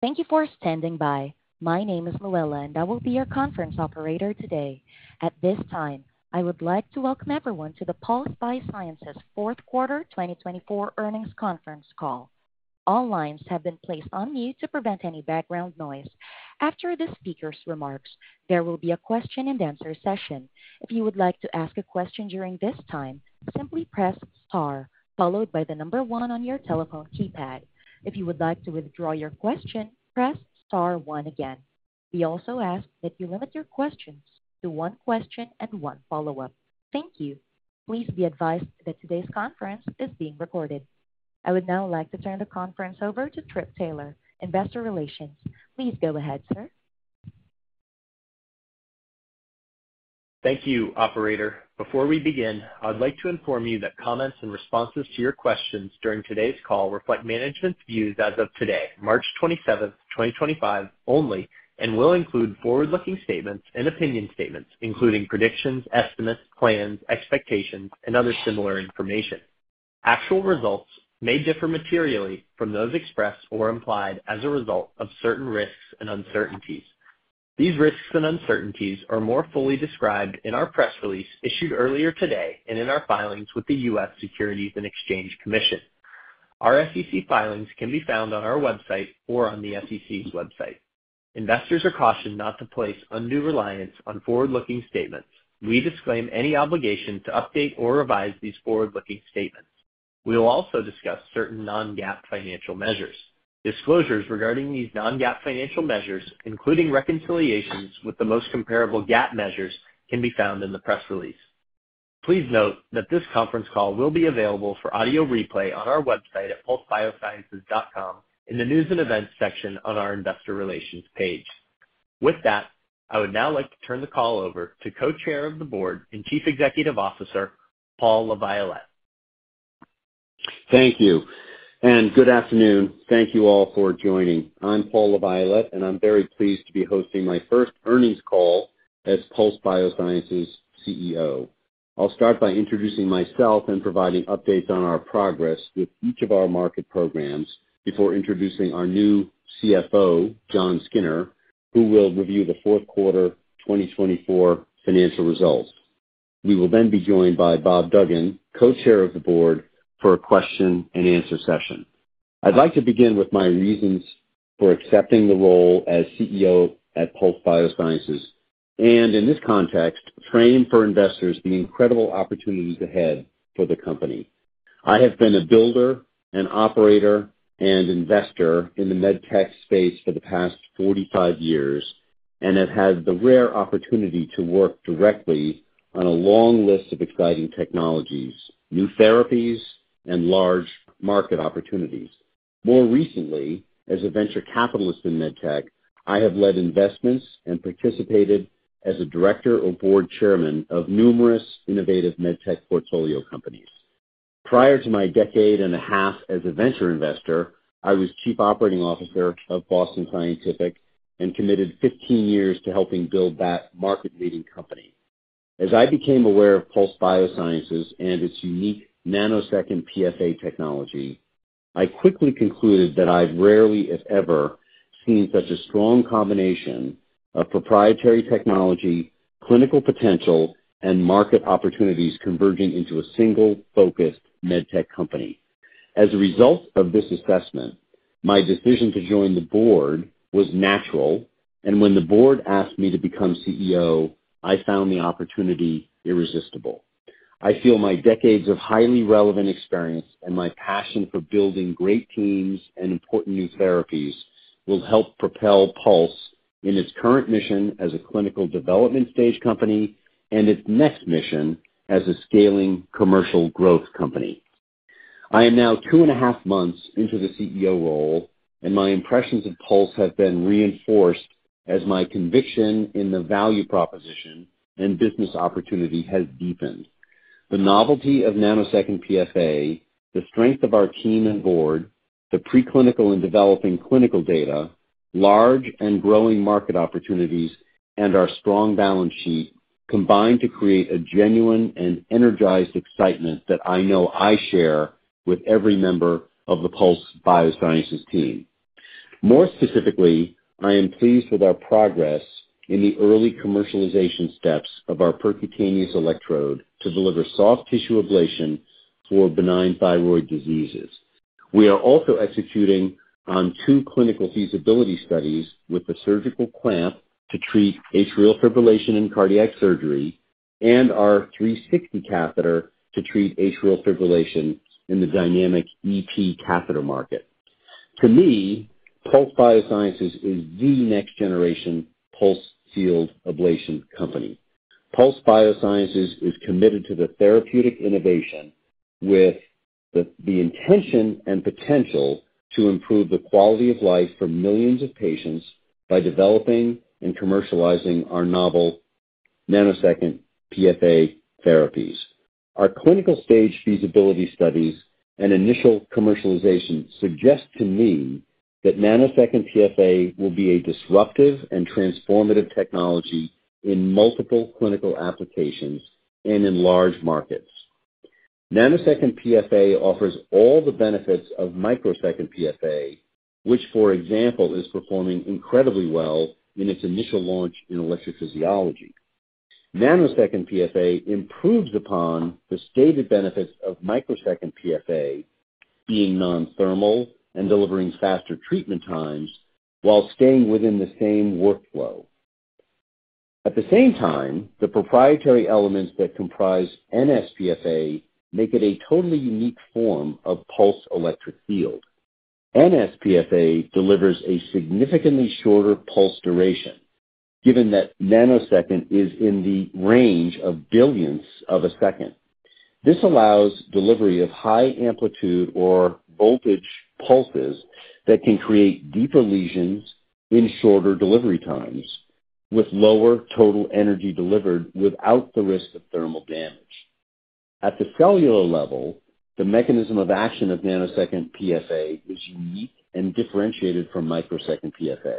Thank you for standing by. My name is Luella, and I will be your conference operator today. At this time, I would like to welcome everyone to the Pulse Biosciences fourth quarter 2024 earnings conference call. All lines have been placed on mute to prevent any background noise. After the speaker's remarks, there will be a question-and-answer session. If you would like to ask a question during this time, simply press star, followed by the number one on your telephone keypad. If you would like to withdraw your question, press star one again. We also ask that you limit your questions to one question and one follow-up. Thank you. Please be advised that today's conference is being recorded. I would now like to turn the conference over to Trip Taylor, Investor Relations. Please go ahead, sir. Thank you, operator. Before we begin, I'd like to inform you that comments and responses to your questions during today's call reflect management's views as of today, March 27, 2025, only, and will include forward-looking statements and opinion statements, including predictions, estimates, plans, expectations, and other similar information. Actual results may differ materially from those expressed or implied as a result of certain risks and uncertainties. These risks and uncertainties are more fully described in our press release issued earlier today and in our filings with the U.S. Securities and Exchange Commission. Our SEC filings can be found on our website or on the SEC's website. Investors are cautioned not to place undue reliance on forward-looking statements. We disclaim any obligation to update or revise these forward-looking statements. We will also discuss certain non-GAAP financial measures. Disclosures regarding these non-GAAP financial measures, including reconciliations with the most comparable GAAP measures, can be found in the press release. Please note that this conference call will be available for audio replay on our website at pulsebiosciences.com in the news and events section on our Investor Relations page. With that, I would now like to turn the call over to Co-Chair of the Board and Chief Executive Officer, Paul LaViolette. Thank you. Good afternoon. Thank you all for joining. I'm Paul LaViolette, and I'm very pleased to be hosting my first earnings call as Pulse Biosciences CEO. I'll start by introducing myself and providing updates on our progress with each of our market programs before introducing our new CFO, Jon Skinner, who will review the fourth quarter 2024 financial results. We will then be joined by Bob Duggan, Co-Chair of the Board, for a question-and-answer session. I'd like to begin with my reasons for accepting the role as CEO at Pulse Biosciences and, in this context, frame for investors the incredible opportunities ahead for the company. I have been a builder, an operator, and investor in the medtech space for the past 45 years and have had the rare opportunity to work directly on a long list of exciting technologies, new therapies, and large market opportunities. More recently, as a venture capitalist in medtech, I have led investments and participated as a director or board chairman of numerous innovative medtech portfolio companies. Prior to my decade and a half as a venture investor, I was Chief Operating Officer of Boston Scientific and committed 15 years to helping build that market-leading company. As I became aware of Pulse Biosciences and its unique nanosecond PFA technology, I quickly concluded that I've rarely, if ever, seen such a strong combination of proprietary technology, clinical potential, and market opportunities converging into a single-focused medtech company. As a result of this assessment, my decision to join the board was natural, and when the board asked me to become CEO, I found the opportunity irresistible. I feel my decades of highly relevant experience and my passion for building great teams and important new therapies will help propel Pulse in its current mission as a clinical development stage company and its next mission as a scaling commercial growth company. I am now two and a half months into the CEO role, and my impressions of Pulse have been reinforced as my conviction in the value proposition and business opportunity has deepened. The novelty of nanosecond PFA, the strength of our team and board, the pre-clinical and developing clinical data, large and growing market opportunities, and our strong balance sheet combine to create a genuine and energized excitement that I know I share with every member of the Pulse Biosciences team. More specifically, I am pleased with our progress in the early commercialization steps of our percutaneous electrode to deliver soft tissue ablation for benign thyroid diseases. We are also executing on two clinical feasibility studies with a surgical clamp to treat atrial fibrillation in cardiac surgery and our 360 catheter to treat atrial fibrillation in the dynamic EP catheter market. To me, Pulse Biosciences is the next-generation pulsed field ablation company. Pulse Biosciences is committed to therapeutic innovation with the intention and potential to improve the quality of life for millions of patients by developing and commercializing our novel nanosecond PFA therapies. Our clinical stage feasibility studies and initial commercialization suggest to me that nanosecond PFA will be a disruptive and transformative technology in multiple clinical applications and in large markets. Nanosecond PFA offers all the benefits of microsecond PFA, which, for example, is performing incredibly well in its initial launch in electrophysiology. Nanosecond PFA improves upon the stated benefits of microsecond PFA being non-thermal and delivering faster treatment times while staying within the same workflow. At the same time, the proprietary elements that comprise nsPFA make it a totally unique form of pulsed electric field. nsPFA delivers a significantly shorter pulse duration, given that nanosecond is in the range of billionths of a second. This allows delivery of high-amplitude or voltage pulses that can create deeper lesions in shorter delivery times with lower total energy delivered without the risk of thermal damage. At the cellular level, the mechanism of action of nanosecond PFA is unique and differentiated from microsecond PFA.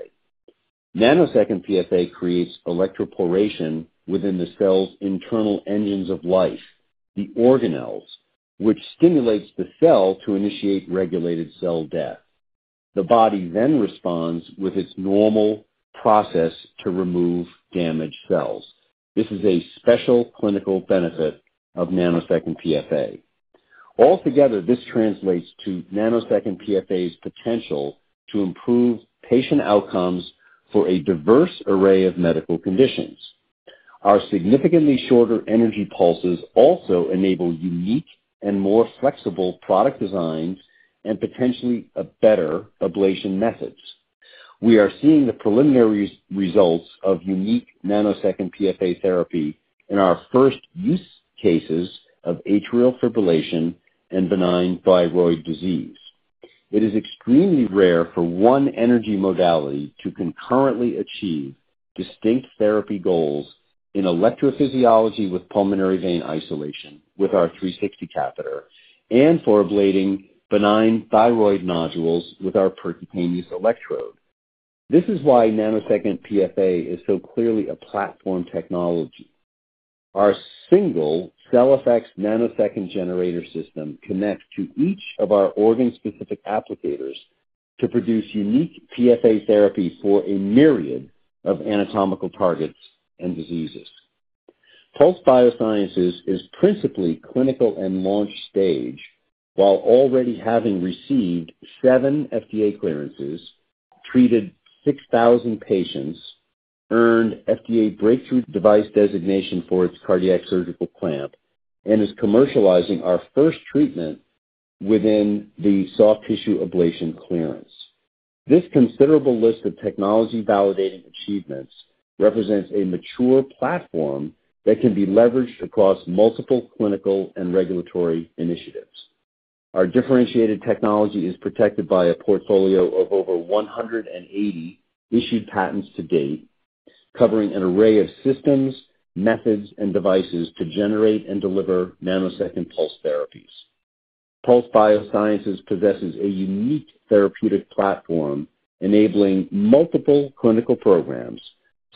Nanosecond PFA creates electroporation within the cell's internal engines of life, the organelles, which stimulates the cell to initiate regulated cell death. The body then responds with its normal process to remove damaged cells. This is a special clinical benefit of nanosecond PFA. Altogether, this translates to nanosecond PFA's potential to improve patient outcomes for a diverse array of medical conditions. Our significantly shorter energy pulses also enable unique and more flexible product designs and potentially a better ablation methods. We are seeing the preliminary results of unique nanosecond PFA therapy in our first use cases of atrial fibrillation and benign thyroid disease. It is extremely rare for one energy modality to concurrently achieve distinct therapy goals in electrophysiology with pulmonary vein isolation with our 360 catheter and for ablating benign thyroid nodules with our percutaneous electrode. This is why nanosecond PFA is so clearly a platform technology. Our single CellFX nanosecond generator system connects to each of our organ-specific applicators to produce unique PFA therapy for a myriad of anatomical targets and diseases. Pulse Biosciences is principally clinical and launch stage while already having received seven FDA clearances, treated 6,000 patients, earned FDA breakthrough device designation for its cardiac surgical clamp, and is commercializing our first treatment within the soft tissue ablation clearance. This considerable list of technology-validated achievements represents a mature platform that can be leveraged across multiple clinical and regulatory initiatives. Our differentiated technology is protected by a portfolio of over 180 issued patents to date, covering an array of systems, methods, and devices to generate and deliver nanosecond pulse therapies. Pulse Biosciences possesses a unique therapeutic platform enabling multiple clinical programs.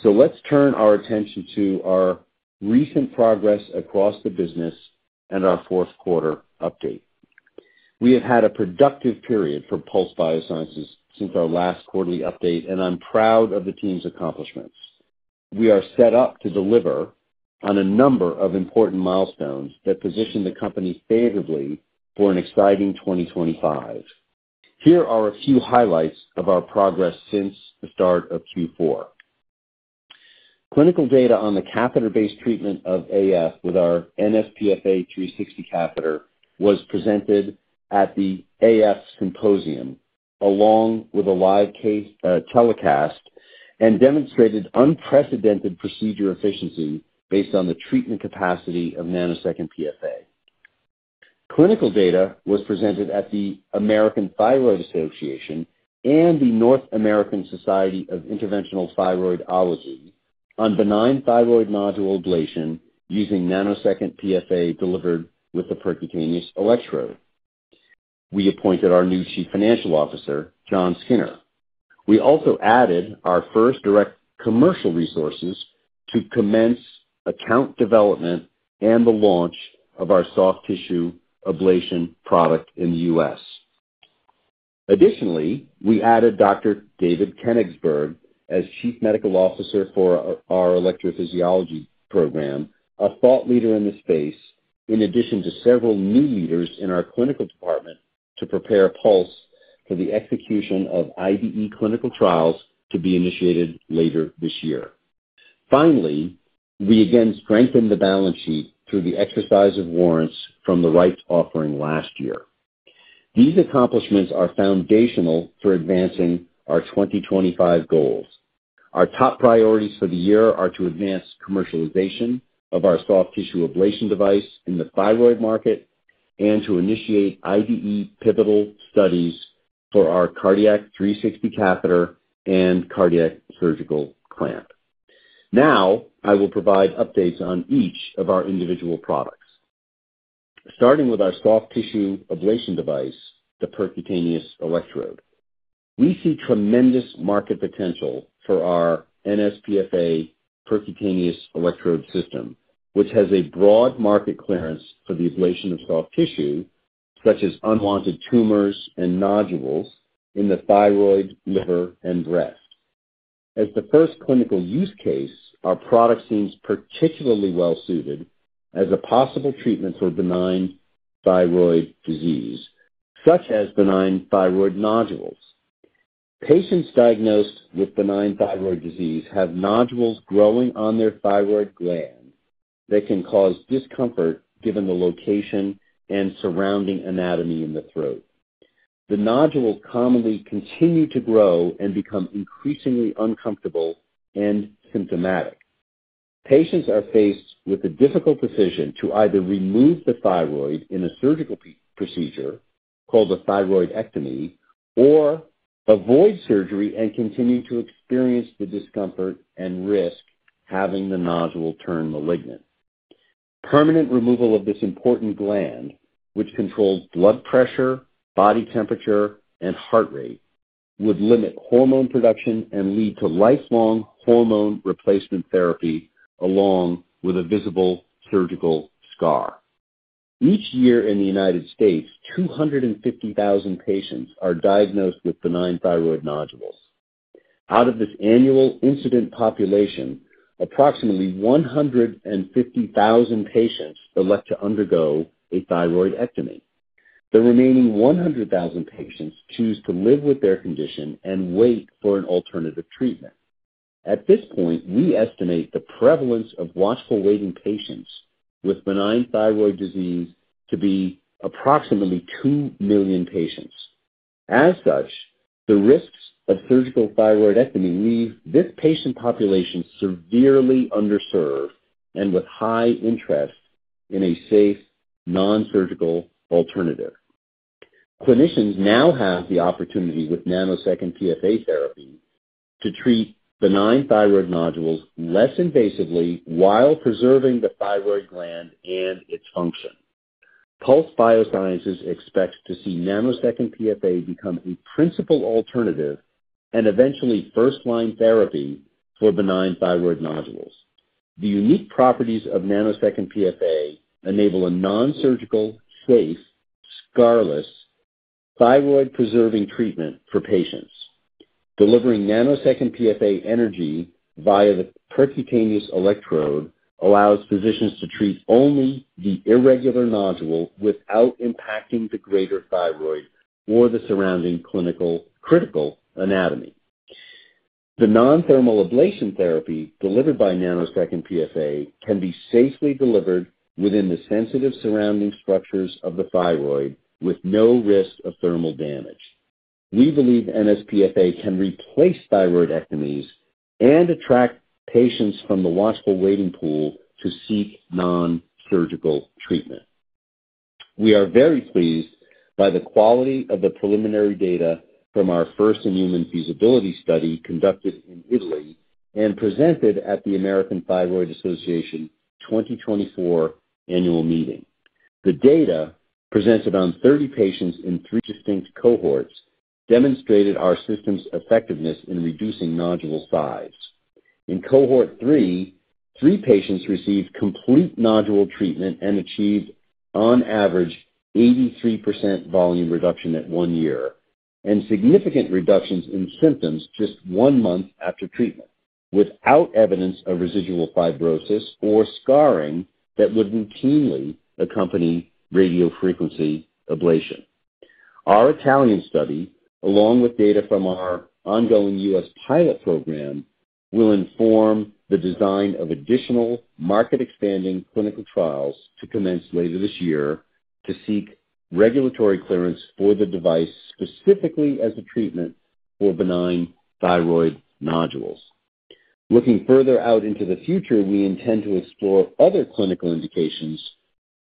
Let's turn our attention to our recent progress across the business and our fourth quarter update. We have had a productive period for Pulse Biosciences since our last quarterly update, and I'm proud of the team's accomplishments. We are set up to deliver on a number of important milestones that position the company favorably for an exciting 2025. Here are a few highlights of our progress since the start of Q4. Clinical data on the catheter-based treatment of AF with our nsPFA 360 catheter was presented at the AF Symposium along with a live telecast and demonstrated unprecedented procedure efficiency based on the treatment capacity of nanosecond PFA. Clinical data was presented at the American Thyroid Association and the North American Society for Interventional Thyroidology on benign thyroid nodule ablation using nanosecond PFA delivered with a percutaneous electrode. We appointed our new Chief Financial Officer, Jon Skinner. We also added our first direct commercial resources to commence account development and the launch of our soft tissue ablation product in the U.S. Additionally, we added Dr. David Kenigsberg as Chief Medical Officer for our electrophysiology program, a thought leader in the space, in addition to several new leaders in our clinical department to prepare Pulse Biosciences for the execution of IDE clinical trials to be initiated later this year. Finally, we again strengthened the balance sheet through the exercise of warrants from the rights offering last year. These accomplishments are foundational for advancing our 2025 goals. Our top priorities for the year are to advance commercialization of our soft tissue ablation device in the thyroid market and to initiate IDE pivotal studies for our cardiac 360 catheter and cardiac surgical clamp. Now, I will provide updates on each of our individual products. Starting with our soft tissue ablation device, the percutaneous electrode. We see tremendous market potential for our nsPFA percutaneous electrode system, which has a broad market clearance for the ablation of soft tissue, such as unwanted tumors and nodules in the thyroid, liver, and breast. As the first clinical use case, our product seems particularly well-suited as a possible treatment for benign thyroid disease, such as benign thyroid nodules. Patients diagnosed with benign thyroid disease have nodules growing on their thyroid gland that can cause discomfort given the location and surrounding anatomy in the throat. The nodules commonly continue to grow and become increasingly uncomfortable and symptomatic. Patients are faced with the difficult decision to either remove the thyroid in a surgical procedure called a thyroidectomy or avoid surgery and continue to experience the discomfort and risk of having the nodule turn malignant. Permanent removal of this important gland, which controls blood pressure, body temperature, and heart rate, would limit hormone production and lead to lifelong hormone replacement therapy along with a visible surgical scar. Each year in the United States, 250,000 patients are diagnosed with benign thyroid nodules. Out of this annual incident population, approximately 150,000 patients elect to undergo a thyroidectomy. The remaining 100,000 patients choose to live with their condition and wait for an alternative treatment. At this point, we estimate the prevalence of watchful waiting patients with benign thyroid disease to be approximately 2 million patients. As such, the risks of surgical thyroidectomy leave this patient population severely underserved and with high interest in a safe nonsurgical alternative. Clinicians now have the opportunity with nanosecond PFA therapy to treat benign thyroid nodules less invasively while preserving the thyroid gland and its function. Pulse Biosciences expects to see nanosecond PFA become a principal alternative and eventually first-line therapy for benign thyroid nodules. The unique properties of nanosecond PFA enable a nonsurgical, safe, scarless, thyroid-preserving treatment for patients. Delivering nanosecond PFA energy via the percutaneous electrode allows physicians to treat only the irregular nodule without impacting the greater thyroid or the surrounding clinical critical anatomy. The non-thermal ablation therapy delivered by nanosecond PFA can be safely delivered within the sensitive surrounding structures of the thyroid with no risk of thermal damage. We believe nsPFA can replace thyroidectomies and attract patients from the watchful waiting pool to seek nonsurgical treatment. We are very pleased by the quality of the preliminary data from our first in-human feasibility study conducted in Italy and presented at the American Thyroid Association 2024 annual meeting. The data presented on 30 patients in three distinct cohorts demonstrated our system's effectiveness in reducing nodule size. In cohort three, three patients received complete nodule treatment and achieved, on average, 83% volume reduction at one year and significant reductions in symptoms just one month after treatment without evidence of residual fibrosis or scarring that would routinely accompany radiofrequency ablation. Our Italian study, along with data from our ongoing U.S. pilot program, will inform the design of additional market-expanding clinical trials to commence later this year to seek regulatory clearance for the device specifically as a treatment for benign thyroid nodules. Looking further out into the future, we intend to explore other clinical indications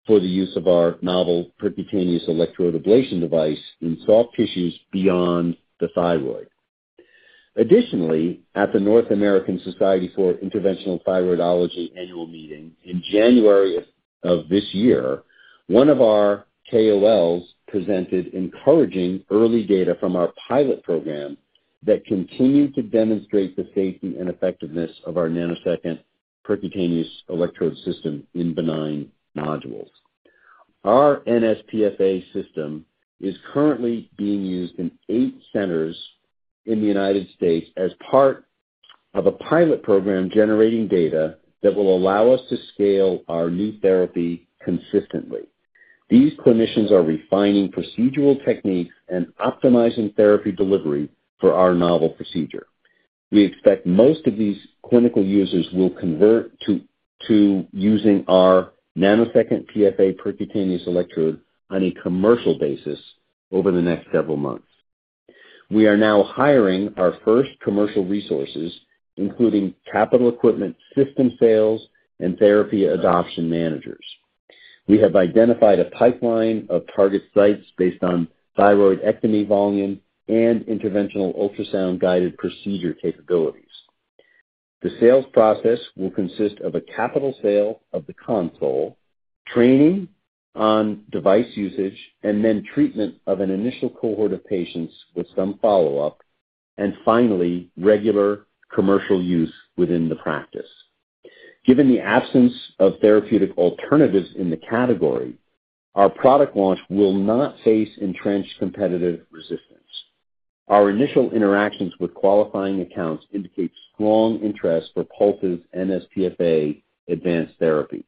for the use of our novel percutaneous electrode ablation device in soft tissues beyond the thyroid. Additionally, at the North American Society for Interventional Thyroidology annual meeting in January of this year, one of our KOLs presented encouraging early data from our pilot program that continued to demonstrate the safety and effectiveness of our nanosecond percutaneous electrode system in benign nodules. Our nsPFA system is currently being used in eight centers in the United States as part of a pilot program generating data that will allow us to scale our new therapy consistently. These clinicians are refining procedural techniques and optimizing therapy delivery for our novel procedure. We expect most of these clinical users will convert to using our nanosecond PFA percutaneous electrode on a commercial basis over the next several months. We are now hiring our first commercial resources, including capital equipment, system sales, and therapy adoption managers. We have identified a pipeline of target sites based on thyroidectomy volume and interventional ultrasound-guided procedure capabilities. The sales process will consist of a capital sale of the console, training on device usage, and then treatment of an initial cohort of patients with some follow-up, and finally, regular commercial use within the practice. Given the absence of therapeutic alternatives in the category, our product launch will not face entrenched competitive resistance. Our initial interactions with qualifying accounts indicate strong interest for Pulse's nsPFA advanced therapy.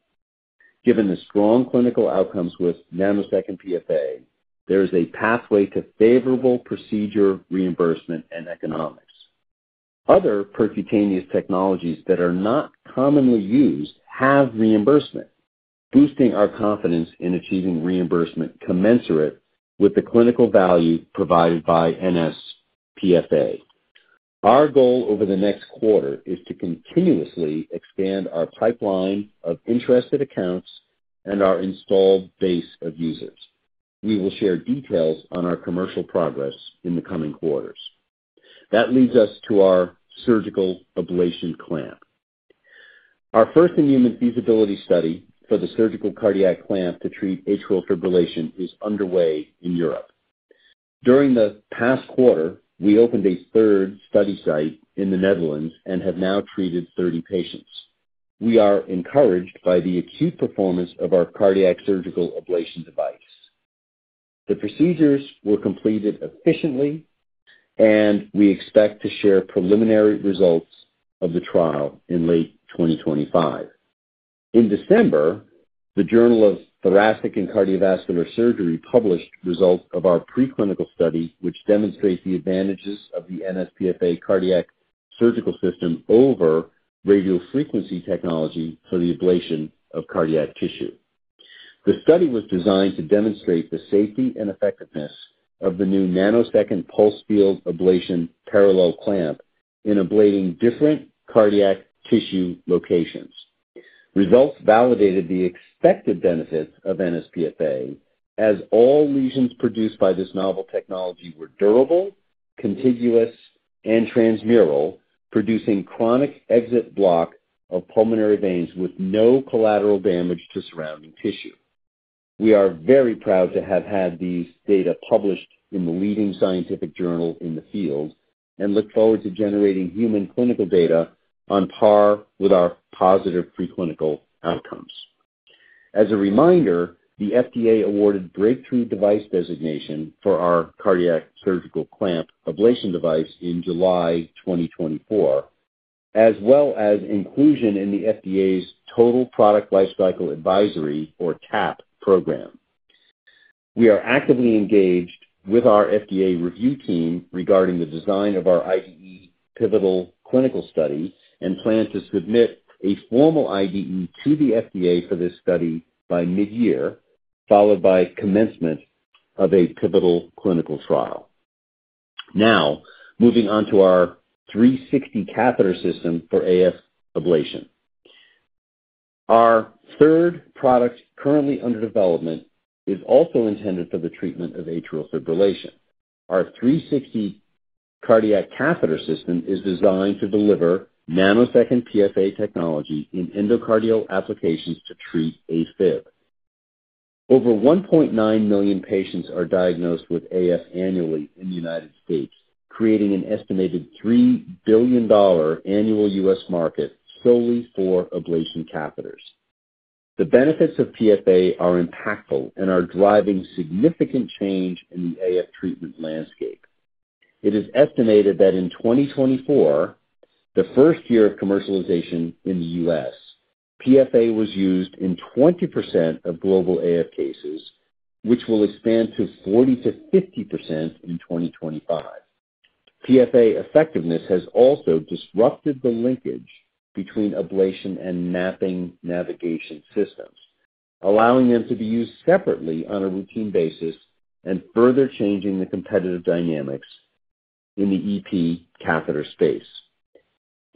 Given the strong clinical outcomes with nanosecond PFA, there is a pathway to favorable procedure reimbursement and economics. Other percutaneous technologies that are not commonly used have reimbursement, boosting our confidence in achieving reimbursement commensurate with the clinical value provided by nsPFA. Our goal over the next quarter is to continuously expand our pipeline of interested accounts and our installed base of users. We will share details on our commercial progress in the coming quarters. That leads us to our surgical ablation clamp. Our first in-human feasibility study for the surgical cardiac clamp to treat atrial fibrillation is underway in Europe. During the past quarter, we opened a third study site in the Netherlands and have now treated 30 patients. We are encouraged by the acute performance of our cardiac surgical ablation device. The procedures were completed efficiently, and we expect to share preliminary results of the trial in late 2025. In December, the Journal of Thoracic and Cardiovascular Surgery published results of our preclinical study, which demonstrates the advantages of the nsPFA cardiac surgical system over radiofrequency technology for the ablation of cardiac tissue. The study was designed to demonstrate the safety and effectiveness of the new nanosecond pulsed field ablation parallel clamp in ablating different cardiac tissue locations. Results validated the expected benefits of nsPFA, as all lesions produced by this novel technology were durable, contiguous, and transmural, producing chronic exit block of pulmonary veins with no collateral damage to surrounding tissue. We are very proud to have had these data published in the leading scientific journal in the field and look forward to generating human clinical data on par with our positive preclinical outcomes. As a reminder, the FDA awarded breakthrough device designation for our cardiac surgical clamp ablation device in July 2024, as well as inclusion in the FDA's Total Product Life Cycle Advisory, or TAP, program. We are actively engaged with our FDA review team regarding the design of our IDE pivotal clinical study and plan to submit a formal IDE to the FDA for this study by mid-year, followed by commencement of a pivotal clinical trial. Now, moving on to our 360 catheter system for AF ablation. Our third product currently under development is also intended for the treatment of atrial fibrillation. Our 360 Cardiac Catheter System is designed to deliver nanosecond PFA technology in endocardial applications to treat AFib. Over 1.9 million patients are diagnosed with AF annually in the United States, creating an estimated $3 billion annual U.S. market solely for ablation catheters. The benefits of PFA are impactful and are driving significant change in the AF treatment landscape. It is estimated that in 2024, the first year of commercialization in the U.S., PFA was used in 20% of global AF cases, which will expand to 40%-50% in 2025. PFA effectiveness has also disrupted the linkage between ablation and mapping navigation systems, allowing them to be used separately on a routine basis and further changing the competitive dynamics in the EP catheter space.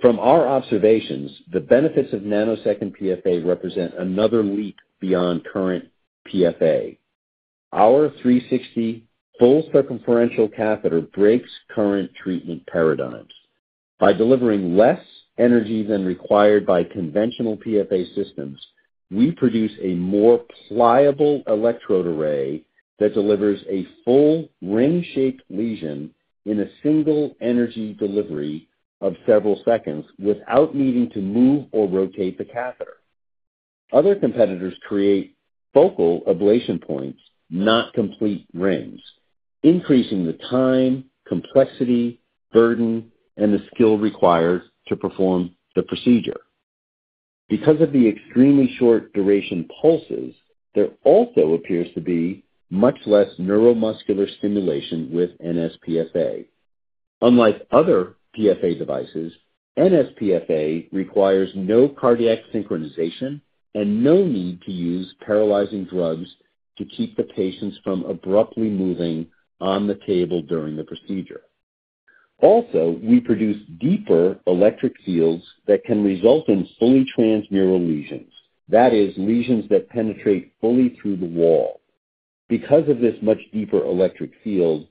From our observations, the benefits of nanosecond PFA represent another leap beyond current PFA. Our 360 full-circumferential catheter breaks current treatment paradigms. By delivering less energy than required by conventional PFA systems, we produce a more pliable electrode array that delivers a full ring-shaped lesion in a single energy delivery of several seconds without needing to move or rotate the catheter. Other competitors create focal ablation points, not complete rings, increasing the time, complexity, burden, and the skill required to perform the procedure. Because of the extremely short duration pulses, there also appears to be much less neuromuscular stimulation with nsPFA. Unlike other PFA devices, nsPFA requires no cardiac synchronization and no need to use paralyzing drugs to keep the patients from abruptly moving on the table during the procedure. Also, we produce deeper electric fields that can result in fully transmural lesions, that is, lesions that penetrate fully through the wall. Because of this much deeper electric field,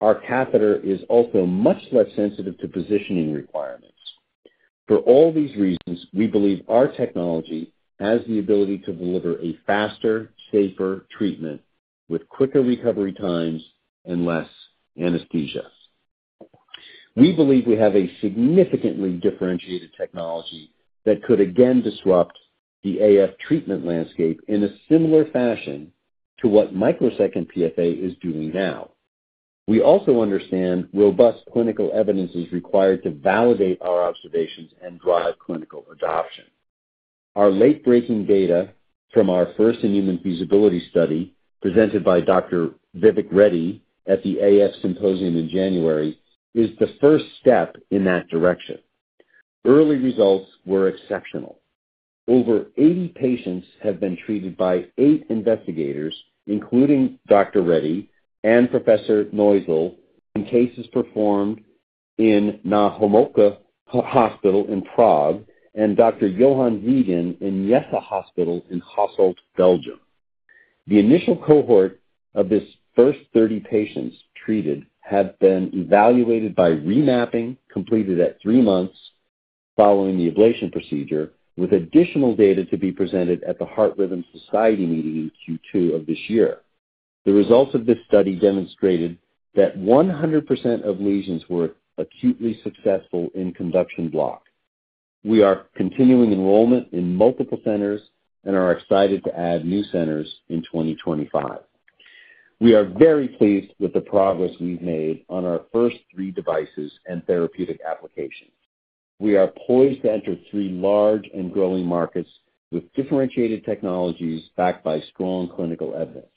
our catheter is also much less sensitive to positioning requirements. For all these reasons, we believe our technology has the ability to deliver a faster, safer treatment with quicker recovery times and less anesthesia. We believe we have a significantly differentiated technology that could again disrupt the AF treatment landscape in a similar fashion to what microsecond PFA is doing now. We also understand robust clinical evidence is required to validate our observations and drive clinical adoption. Our late-breaking data from our first in-human feasibility study presented by. Dr. Vivek Reddy at the AF Symposium in January is the first step in that direction. Early results were exceptional. Over 80 patients have been treated by eight investigators, including Dr. Reddy and Professor Neuzil, in cases performed in Na Homolce Hospital in Prague and Dr. Johan Vijgen in Jessa Hospital in Hasselt, Belgium. The initial cohort of this first 30 patients treated have been evaluated by remapping completed at three months following the ablation procedure, with additional data to be presented at the Heart Rhythm Society meeting in Q2 of this year. The results of this study demonstrated that 100% of lesions were acutely successful in conduction block. We are continuing enrollment in multiple centers and are excited to add new centers in 2025. We are very pleased with the progress we've made on our first three devices and therapeutic applications. We are poised to enter three large and growing markets with differentiated technologies backed by strong clinical evidence.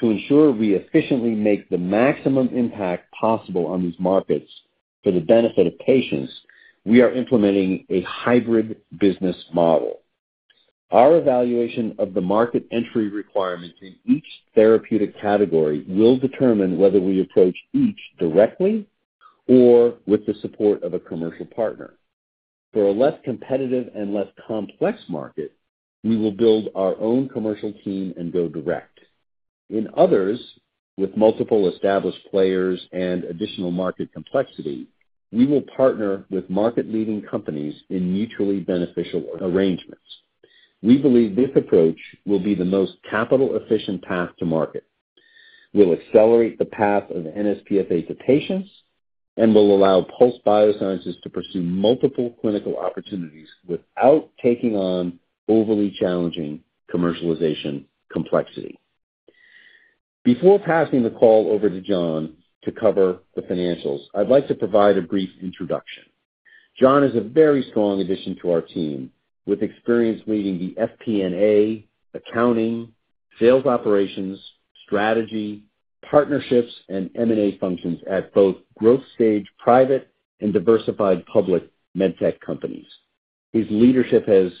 To ensure we efficiently make the maximum impact possible on these markets for the benefit of patients, we are implementing a hybrid business model. Our evaluation of the market entry requirements in each therapeutic category will determine whether we approach each directly or with the support of a commercial partner. For a less competitive and less complex market, we will build our own commercial team and go direct. In others, with multiple established players and additional market complexity, we will partner with market-leading companies in mutually beneficial arrangements. We believe this approach will be the most capital-efficient path to market, will accelerate the path of nsPFA to patients, and will allow Pulse Biosciences to pursue multiple clinical opportunities without taking on overly challenging commercialization complexity. Before passing the call over to Jon to cover the financials, I'd like to provide a brief introduction. Jon is a very strong addition to our team with experience leading the FP&A, accounting, sales operations, strategy, partnerships, and M&A functions at both growth-stage private and diversified public med tech companies. His leadership has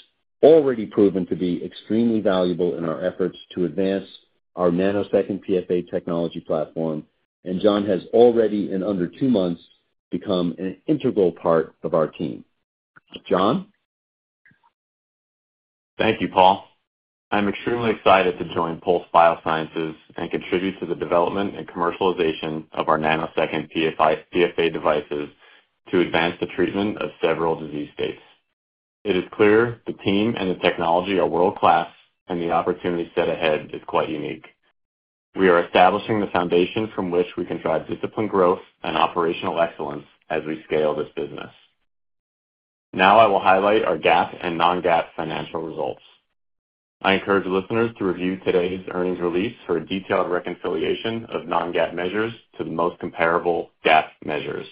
already proven to be extremely valuable in our efforts to advance our nanosecond PFA technology platform, and Jon has already, in under two months, become an integral part of our team. Jon? Thank you, Paul. I'm extremely excited to join Pulse Biosciences and contribute to the development and commercialization of our nanosecond PFA devices to advance the treatment of several disease states. It is clear the team and the technology are world-class, and the opportunity set ahead is quite unique. We are establishing the foundation from which we can drive discipline, growth, and operational excellence as we scale this business. Now, I will highlight our GAAP and non-GAAP financial results. I encourage listeners to review today's earnings release for a detailed reconciliation of non-GAAP measures to the most comparable GAAP measures.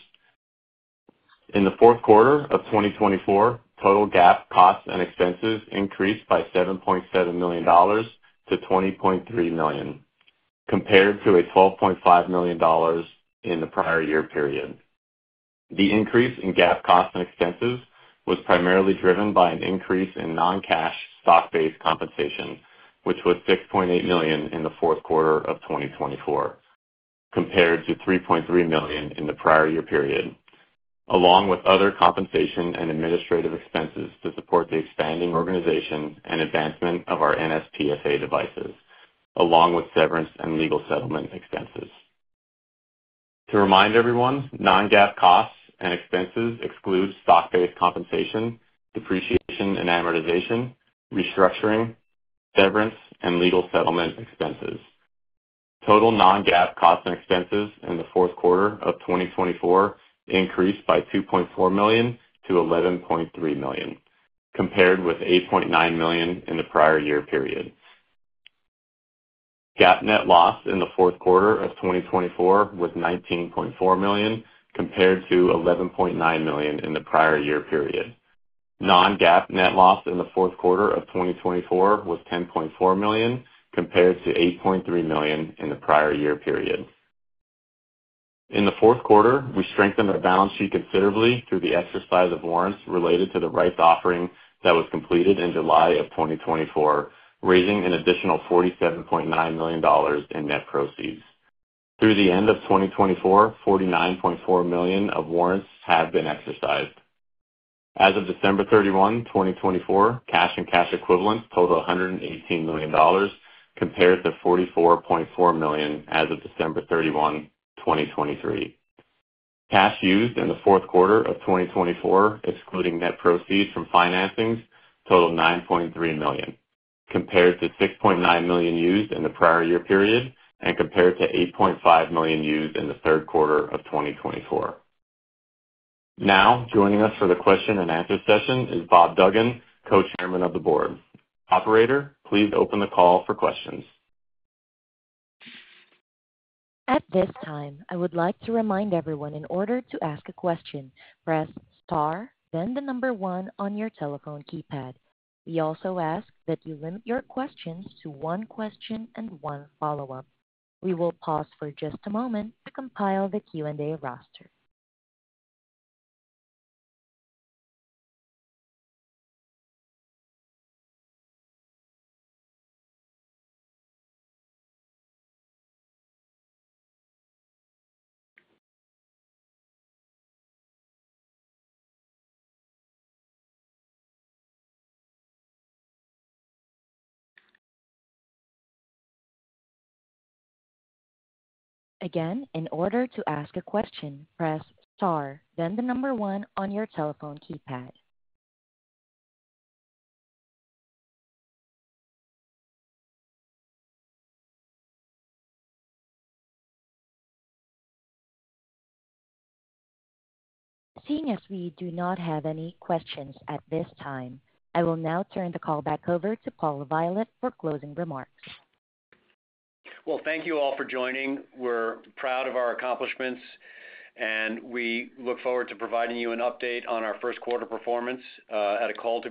In the fourth quarter of 2024, total GAAP costs and expenses increased by $7.7 million to $20.3 million, compared to $12.5 million in the prior year period. The increase in GAAP costs and expenses was primarily driven by an increase in non-cash stock-based compensation, which was $6.8 million in the fourth quarter of 2024, compared to $3.3 million in the prior year period, along with other compensation and administrative expenses to support the expanding organization and advancement of our nsPFA devices, along with severance and legal settlement expenses. To remind everyone, non-GAAP costs and expenses exclude stock-based compensation, depreciation and amortization, restructuring, severance, and legal settlement expenses. Total non-GAAP costs and expenses in the fourth quarter of 2024 increased by $2.4 million to $11.3 million, compared with $8.9 million in the prior year period. GAAP net loss in the fourth quarter of 2024 was $19.4 million, compared to $11.9 million in the prior year period. Non-GAAP net loss in the fourth quarter of 2024 was $10.4 million, compared to $8.3 million in the prior year period. In the fourth quarter, we strengthened our balance sheet considerably through the exercise of warrants related to the rights offering that was completed in July of 2024, raising an additional $47.9 million in net proceeds. Through the end of 2024, $49.4 million of warrants have been exercised. As of December 31, 2024, cash and cash equivalents total $118 million, compared to $44.4 million as of December 31, 2023. Cash used in the fourth quarter of 2024, excluding net proceeds from financings, totaled $9.3 million, compared to $6.9 million used in the prior year period and compared to $8.5 million used in the third quarter of 2024. Now, joining us for the question and answer session is Bob Duggan, Co-Chair of the Board. Operator, please open the call for questions. At this time, I would like to remind everyone in order to ask a question, press star, then the number one on your telephone keypad. We also ask that you limit your questions to one question and one follow-up. We will pause for just a moment to compile the Q&A roster. Again, in order to ask a question, press star, then the number one on your telephone keypad. Seeing as we do not have any questions at this time, I will now turn the call back over to Paul LaViolette for closing remarks. Thank you all for joining. We're proud of our accomplishments, and we look forward to providing you an update on our first quarter performance at a call to.